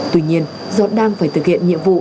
tuy nhiên do đang phải thực hiện nhiệm vụ